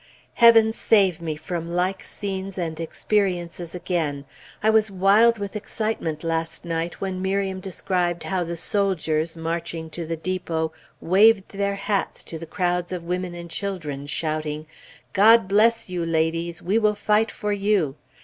Heaven save me from like scenes and experiences again. I was wild with excitement last night when Miriam described how the soldiers, marching to the depot, waved their hats to the crowds of women and children, shouting, "God bless you, ladies! We will fight for you!"